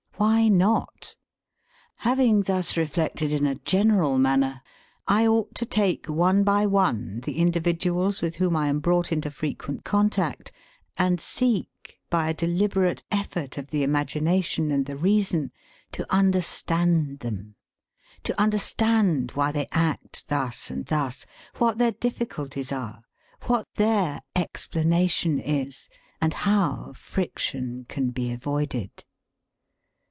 Why not? Having thus reflected in a general manner, I ought to take one by one the individuals with whom I am brought into frequent contact, and seek, by a deliberate effort of the imagination and the reason, to understand them, to understand why they act thus and thus, what their difficulties are, what their 'explanation' is, and how friction can be avoided.